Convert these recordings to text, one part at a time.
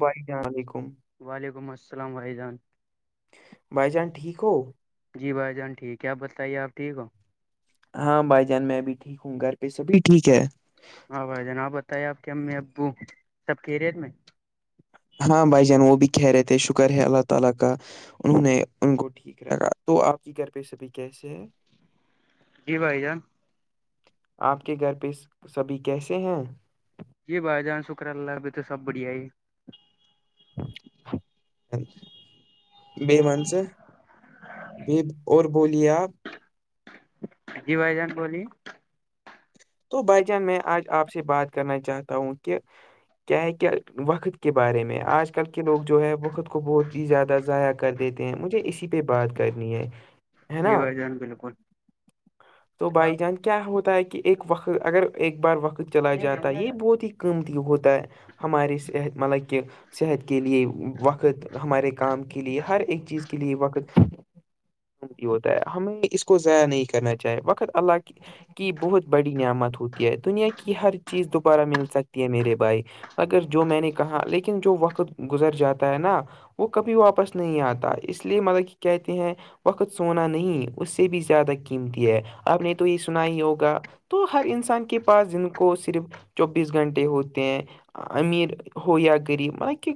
بھائیسام ععلیکم وعلیکم السلام بھائی جان بھائی جان ٹھیک ہو جی بھائی جان ٹھیک کیا آپ بتائیے آپ ٹھیک ہو ہاں بھائی جان میں بھی ٹھیک ہوں گھر پہ سبھی ٹھیک ہے ہاں بھائی جنا آب بتائیے آپ کے ہم میں ابو سب کے ریٹ میں ہاں بھائی جان وہ بھی کہہ رہے تھے شکر ہے اللہ تعالی کا انہوں نے ان کو ٹھیک رکھا تو آپ کی گھر پہ سبھی کیسے ہے بھائی جان آپ کے گھر پہ سبھی کیسے ہیں جی بھائی جان شکر اللہ ابھی تو سب بڑھیا ہی بی مان سے ب اور بولیے آپ ج جی بھائی جان بولی تو بھائی جان میں آج آپ سے بات کرنا چاہتا ہوں کہ کیا ہے کیا وقت کے بارے میں آج کل کے لوگ جو ہے وقت کو بہت ہی زیادہ ضائع کر دیتے ہیں مجھے اسی پہ بات کرنی ہے ہے نا جی بھائی جان بالکل تو بائی جان کیا ہوتا ہے کہ ایک وقت اگر ایک بار وقت چلا جاتا ہے یہ بہت ہی قیمتی ہوتا ہے ہماری صحت مطلب کہ صحت کے لئے وقت ہمارے کام کے لے ہر ایک چیز کے لئے وقت ہوتا ہے ہمیں اس کو ضائع نہیں کرنا چاہیے وقت اللہ کی بہت بڑی نعمت ہوتی ہے دنیا کی ہر چیز دوبارہ مل سکتی میرے بھائی مگر جو میں نے کہا لیکن جو وقت گزر جاتا ہے نا وہ کبھی واپس نہیں آتا اس لیے مطلب کہ کہتے ہیں وقت سونا نہیں اس سے بھی زیادہ قیمتی ہے آپ نے تو یہ سنا ہی ہوگا تو ہر انسان کے پاس جن کو صرف چوبیس گھنٹے ہوتے ہیں امیر ہو یا غریب مطلب کہ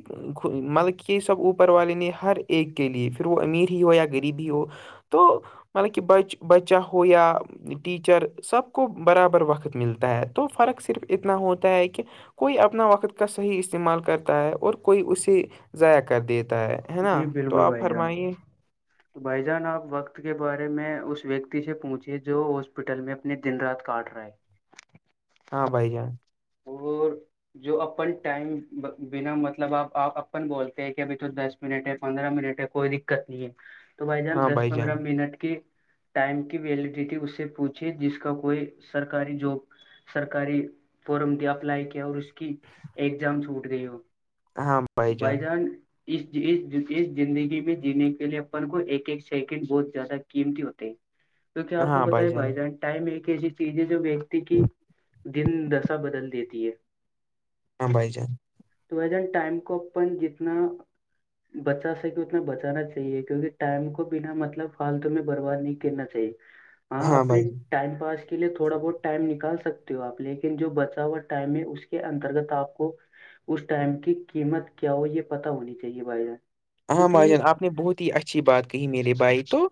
مطلب کہ یہ سب اوپر والے نے ہر ایک کے لیے پھر وہ امیر ہی ہو یا غریب ہی ہو تو مطلب کہ بچ بچہ ہو یا ٹیچر سب کو برابر وقت ملتا ہے تو فرق صرف اتنا ہوتا ہے کہ کوئی اپنا وقت کا صحیح استعمال کرتا ہے اور کوئی اسے ضائع کر دیتا ہے ہے نا جی تو بالکل آپ بھائی جان فرمائیے تو بھائی جان آپ وقت کے بارے میں اس ویکتی سے پوچھیے جو ہاسپٹل میں دن رات کاٹ رہا ہے ہاں بائی جان وہ جو اپن ٹائم بنا مطلب آپ اپن بولتے ہیں کہ ابھی تو دس منٹ ہے پندرہ منٹ ہے کوئی دقت نہیں ہے تو بھائی جان ہاں دس جان پندرہ منٹ کی ٹائم کی ویلیڈیٹی اس سے پوچھی جس کا کوئی سرکاری جاب سرکاری فورم دیا اپلائی کیا اور اس کی ایگزام چھوٹ گئی ہو بھائی جان اس اس زندگی میں جینے کے لیے اپن کو ایک ایک سیکنڈ بہت زیادہ قیمتی ہوتے ہے [inaudible] تو کیا آپ کو پت ہے بھائی جان ٹائم ایک ایسی چیز ہے جو ویکتی کی دن د بدل دیتی ہے ہاں بھائی جان تون ٹائم کو اپن جتنا بچا سکے اتنا بچانا چاہیے کیونکہ ٹائم کو بنا مطلب فالتو میں برباد نہیں کرنا چاہیے ہاں اپنے بھائی جان ٹائم پاس کے لیے تھوڑا بہت ٹائم نکال سکتے ہو آپ لیکن جو ب ا ہوا ٹائم ہے اس کے انترگت آپ کو اس ٹائم کی قیمت کیا ہو یہ پتا ہونی چاہیے بھائی جان ہاں کیونکہ مہاجن آپ نے بہت ہی اچھی بات کہی میرے بھائی تو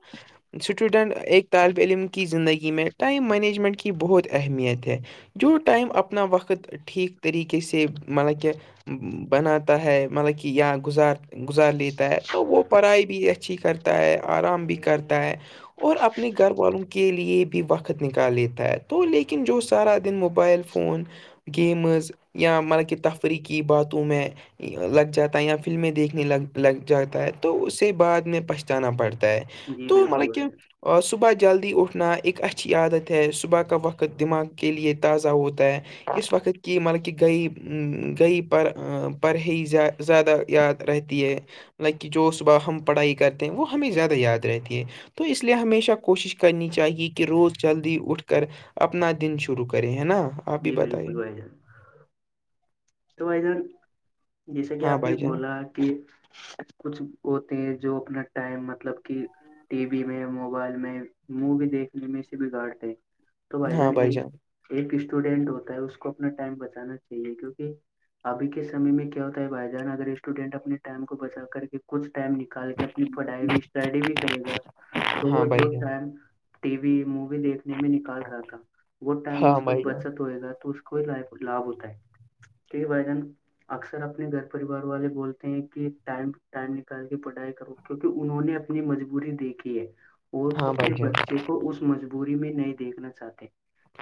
اسٹوڈنٹ ایک طالب علم کی زندگی میں ٹائم مینجمنٹ کی بہت اہمیت ہے جو ائم اپنا وقت ٹھیک طریقے سے مطلب کہ بناتا ہے مطلب کہ یا گزار گزار لیتا ہے تو وہ پڑھائی بھی اچھی کرتا ہے آرام بھی کرتا ہے اور اپنے گھر والوں کے لیے بھی وقت نکال لیتا ہے تو لیکن جو سارا دن موبائل فون فون گیمز یا مطلب کہ تفریحی باتوں میں لگ جاتا ہے یا فلمیں دیکھ گ لگ جاتا ہے تو اسے بعد میں پچتانا پڑتا ہے جی تو بالکل مطلب بھائی کیا جان اور صبح جلدی اٹھنا ایک اچھی عادت ہے صبح کا وقت دماغ کے لیے تازہ ہوتا ہے اس وقت کی مطلب کہ گئی کی پر پرڑ ہی زیادہ یاد رہتی ہیں لائک کی جو صبح ہم پڑھائی کرتے ہیں وہ ہمیں زیادہ یاد رہتی ہے تو اس لیئے ہمیشہ کوشش کرنی چاہیے کہ روز جلدی اٹھ کر اپنا دن شروع کرے ہے نا آپ بھی جی بتائیے بالکل بھائی جان تو بھائی جان جیسے کہ ہاں آپ نے بھائی جان بولا کہ کچھ ہوتے ہیں جو اپنا ٹائم مطلب کہ ٹی وی میں موبائل میں مووی دیکھنے میں سے بگاڑتے ہے تو بھائی جان ایک ایک اسٹوڈینٹ ہوتا ہے اس کو اپنا ٹائم بچانا چاہیے کیونکہ ابھی کے سمے میں کیا ہوتا ہے بھائی جان اگر اسٹوڈینٹ اپنے ٹائم کو بچا کر کے کچھ ٹائم نکال کے اپنی پڑھائی بھی اسٹڈی بھی کرے گا تو ہاں وہ جو بھائی جان ٹائم ٹی وی مووی دیکھنے میں نکال رہا تھا وہ ٹائم ہاں اس کا بھائی جان بچ ہوئے گا تو اس کو ہی لابھ ہوتا ہے بھائی جان اکثر اپنے گھر پریوار والے بولتے ہیں کہ ٹائم ٹائم نکال کے پڑھائی کرو کیونکہ انہوں نے اپنی مجبوری دیکھی ہے اور وہ ہاں بھائی اپنے جان بچے کو اس مجبوری میں نہیں دیکھنا چاہتے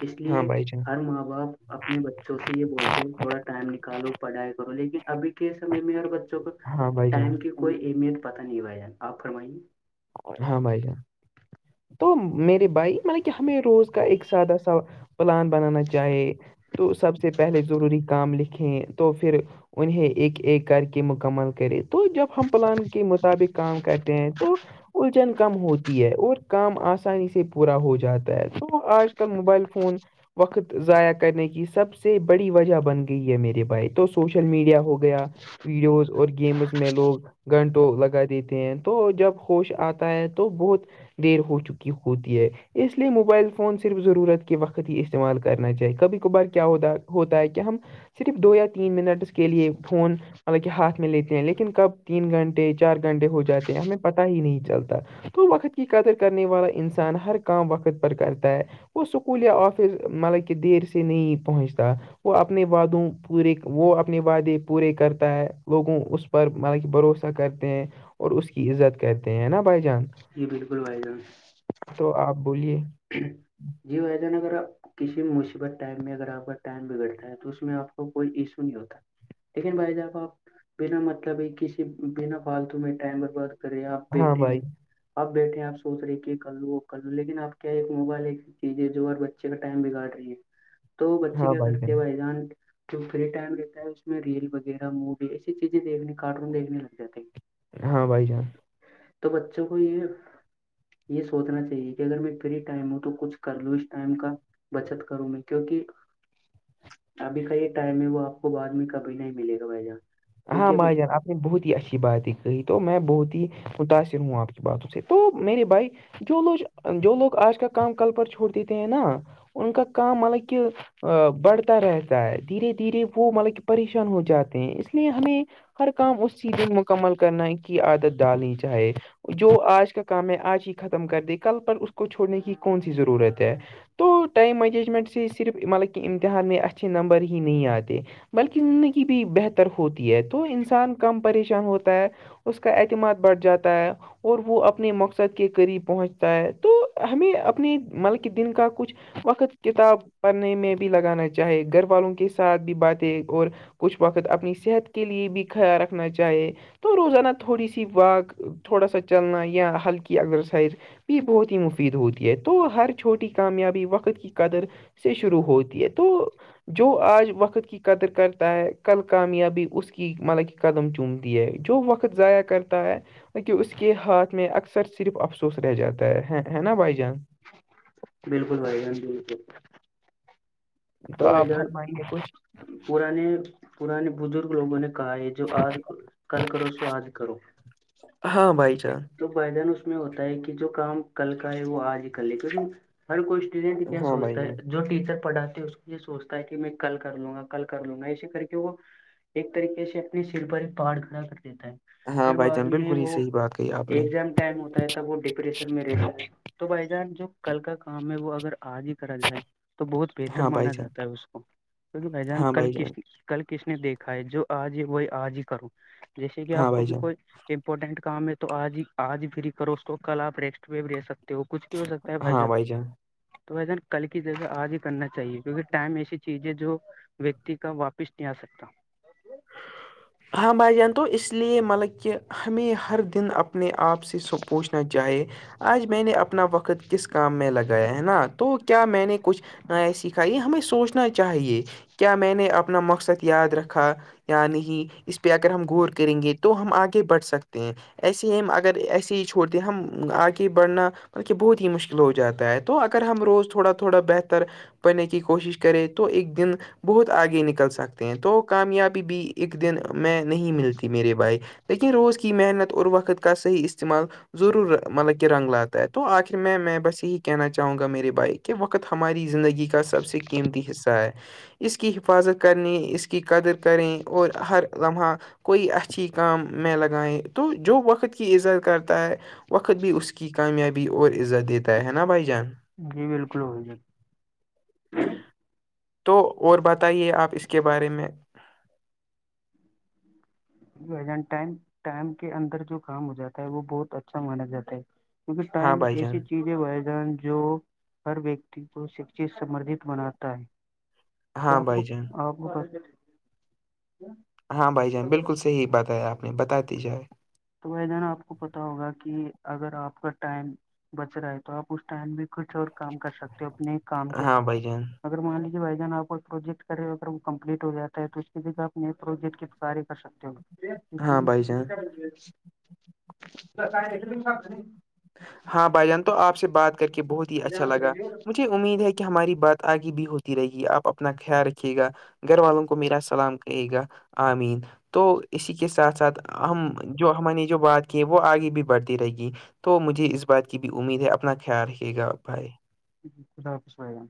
اس ہاں لیے بھائی جان ہر ماں باپ اپنے بچوں سے یہ بولتے ہیں تھوڑا ٹائم نکالو پڑھائی کرو لیکن ابھی کے سمے میں اور بچوں کو ہاں بھائی جان ٹائم کی کوئی اہمیت پتا نہیں بھیجآن آپ فرمائیے ہاں بھائی جان تو میرے بھائی مطلب کہ ہمیں روز کا ایک سادہ سا پلان بنانا چاہے تو سب سے پہلے ضروری کام لکھیں تو پھر اونہے ایک ایک کر کے مکمل کریں تو جب ہم پلان کے مطابق کام کرتے ہیں تو کم ہوتی ہے اور کام آسانی سے پورا ہو جاتا ہے تو آج کل موبائل فون وقت ضائع کرنے کی سب سے بڑی وجہ بن گئی ہے میرے بھائی تو سوشل میڈیا ہو گیا ویڈیوز اور گیمس میں لوگ گھنٹوں لگا دیتے ہیں تو جب حوش آتا ہے تو بہت دیر ہو چکی ہوتی ہیں اس لیے موبائل فون صرف ضرورت کے وقت ہی استعمال کرنا چاہیے کبھی کبھار کیا ہو ہوتا ہے کہ ہم صرف دو یا تین منٹ سے کے لیے فون مطلب کہ ہاتھ میں لیتے ہیں لیکن کب ت گھنٹے چار گھنٹے ہو جاتے ہیں ہمیںں پ نہیں چلتا تو وقت کی قدر کرنے والا انسان ہر کام وقت پر کرتا ہے وہ اسکول یا آفس مطلب کہ دیر سے نہیں پہنچتا وہ اپنے وعدوں پورے وہ اپنے وعدے پورے کرتا ہے لوگوں اس پر مانا کہ بھروسہ کرتے ہیں اور اس کی عزت کرتے ہیں نا بھائی جان جی بالکل بھائی جان تو آپ بولیے جی بھائی جان اگر اپ کسی مصیبت ٹائم میں اگر آپ کا ٹائم بگڑتا ہے تو اس میں آپ کو کوئی ایشو نہیں ہوتا لیکن بھائی جاب آپ بنا مطلب ہی کسی بنا فالتو میں ٹائم بربد رہے آپ ہاں بیٹھے ہیں بھائی اپ بیٹھے ہیں آپ سوچ رہے کہ کر لو وہ کر لوں لیکن آپ کیا ایک موبائل ایک چیز ہے جو ہر بچے کا ٹائم بگاڑ رہی ہے تو بچے کیا کرتے ہیں بھائی جان جو فری ٹائم رہتا ہے اس میں ریل وغیرہ مووی ایسی چیزیں دیکھنے کارٹون دیکھنے لگ جاتا ہیں ہاں بھائی جان تو بچوں کو یہ یہ سوچنا چاہیے کہ اگر ہم فری ٹائم ہو تو کچھ کر لوں اس ٹائم کا بچت کروں میں کیوںک ابھی کا یہ ٹائم ہے وہ آپ کو بعد میں کبھی نہیں ملے گا بھا جان ہاں کیونکہ ابھی بائی جان بہت ہی اچھی بات ہی کہی تو میں بہت ہی متاثر ہوں آپ کی باتوں سے تو میرے بھائی جو لوج جو لوگ آج کا کام کل پر چھوڑ دیتے ہیں نا ان کا کام مطلب کہ ا بڑھتا رہتا ہے دھیرے دھیرے وہ مطلب کہ پریشان ہو جاتے ہیں اس لیے ہمیں ہر کام اس چیز میں مکمل کرنا کی عادت ڈالنی چاہے جو آج کا کام ہے آج ہی ختم کر دے کل پر اس کو چھوڑنے کی کون سی ضرورت ہے تو ٹائم مینجمنٹ سے صرف مطلب کہ امتحان میں اچھے نمبر ہی نہیں آتے بلکہ زندگی بھی بہتر ہوتی ہے تو انسان کم پریشان ہوتا ہے اس کا اعتماد بڑھ جاتا ہے اور وہ اپنے مقصد کے قریب پہنچتا ہے تو ہمیں اپنے مطلب کہ دن کا کچھ وقت کتاب پڑھنے میں بھی لگانا چاہے گھر والوں کے ساتھ بھی باتیں اور کچھ وقت خود اپنی صحت کے لیے بھی خیال رکھنا چاہیے تو روزانا تھوڑی سی واک تھوڑا سا چلنا ہلکی اگزرسائز بھی بہت ہی مفید ہوتی ہے تو ہر چھوٹی کامیابی وقت کی قدر سے شروع ہوتی ہے تو جو آج وقت کی قدر کرتا ہے کل کامیابی اس کی مطلب کہ قدم چومتی ہے جو وقت ضائع کرتا ہے کہ اس کے ہاتھ میں اکثر صرف افسوس رہ جاتا ہے ہے نا بھائی جان بالکل بھائی جان بالکل تو آپ ہرمائیں گے کچھ پے پانی بزرگ لوگوں نے کہا ہے جو آج کل کرو سو آج کرو ہاں بھائی جان تو پائدان اس میں ہوتا ہے کہ جو کام کل کا ہے وہ آج ہی کر لے کیونکہ ہر کوئی اسٹوڈینٹ کیا ہاں بھائی سوچتا ہے جان جو ٹیچر پڑھاتے ہے اس کو یہ سوچتا ہے کہ میں کل کر لوں گا کل کر لوں گا اسی کر کے وہ ایک طریقے سے اپنے سر پر پہاڑ کھڑا کر دیتا ہے ہاں پھر بھائی بعد جان میں بالکل ہی وہ صحیح بات کہی آپ نے ایگزام ٹائم ہوتا ہے تب وہ ڈپریشن میں رہتا تو بھائی جان جو کل کا کام ہے وہ اگر آج ہی کرا جائے تو بہت بہتر ہاں بھائی مانا جان جاتا ہے اس کو کیکہ بھ جان ہاں کل بھائی کس کل کس نے دیکھا ہے جو آج ہی وہی آج ہی کروں جیسے کہ ہاں آپ کو بھائی بھی جان کوئی امپورٹنٹ کام ہے تو آج ہی آج ہی فھرری کرو اس کو کل آپ ریکسٹ وی بھی لے سکتے وہ کچھ بھی ہو سکتا ہے بھائی جان تو بھائی جان کل کی جگہ آج ہی کرنا چاہیے کیونکہ ٹائم ایسی چیز ہے جو ویکتی کا واپس نہیں آ سکتا ہاں بھائیان [unintelligible] تو اس لیے مطلب کہ ہمیں ہر دن اپنے آپ سے س پوچھنا چاہے آج میں نے اپنا وقت کس کام میں لگایا ہے نا تو کیا میں نے کچھ نہ ای سھائی یہ ہمیں سوچنا چاہیے کیا میں نے اپنا مقصد یاد رکھا ی نہیں اس پہ اگر ہم غور کریں گے تو ہم آگے بڑھ سکتے ہیں ایسے ہی اگر ایسے ہی چھوڑتے ہم آگے بڑھنا بلکہ بہت ہی مشکل ہو جاتا ہے تو اگر ہم روز تھوڑا تھوڑا بہتر پنے کی کوشش کرے تو ایک دن بہت آگے نکل سکتے ہیں تو کامیابی بھی ایک دن میں نہیں ملتی میرے بھائی لیکن روز کی محنت اور وقت کا صحیح استعمال ضرور مطلب کہ رنگ لاتا ہے تو آخر میں میں بس یہی کہنا چاہوں گا میری بائک کہ وقت ہماری زندگی کا سب سے قیمتی حصہ ہے اس کی حفاظت کرنے اس کی قدر کریں اور ہر لمحہ کوئی اچھی کام میں لگائیں تو جو وقت کی عزت کرتا ہے وقت بھی اس کی کامیابی اور عزت دیتا ہے نا بھائی جان جی بالکل وہی جات [unintelligible] تو اور بتائیے آپ اس کے بارے میں ٹم ٹائم کے اندر جو کام ہو جاتا ہے وہ بہت اچھا مانا جاتا ہے کیونکہ ہاں ٹائم بھائی جان ایسی چیز جی بھائی جان جو ہر ویکتی کو شک سمردت بناتا ہے تو ہاں آپ کو بھائی جان آپ کو ہاں بھائی جان بالکل صحیح بتایا آپ نے بتا دی جائے تو وہ ج نا آپ کو پتا ہوگا کہ اگر آپ کا ٹائم بچ رہا ہے تو آپ اس ٹائم میں کچھ اور کام کر سکتے ہو اپنے کام کے ہاں علاوہ بھائی میں جان اگر مان لیجیے بھائی جان آ کو پروجیکٹ کرے ہو اگر وہ کمپلیٹ ہو جاتا ہے تو اس کے آپ نئے پروجیکٹ کیاری کر سکتے ہو ہاں بھائی جان [unintelligible] ہاں بھائی جان تو آپ سے بات کر کے بہت ہی اچھا لگا ہو مجھے امید ہے کہ ہماری بات آگے بھی ہوتی رہے گی آپ اپنا خیال رکھیے گا گھر والوں کو میرا سلام کہے گا آمین تو اسی کے ساتھ ساتھ ہم جو ہم نے جو بات کی وہ آگے بھی بڑھتی رہے گی تو مجھے اس بات کی بھی امید ہے اپنا خیال رکھیے گا بھائی جی خدا حافظ بھائی جان